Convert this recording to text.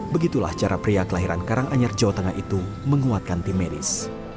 begitulah cara pria kelahiran karanganyar jawa tengah itu menguatkan tim medis